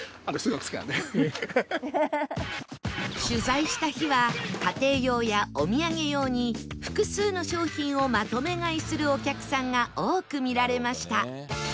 取材した日は家庭用やお土産用に複数の商品をまとめ買いするお客さんが多く見られました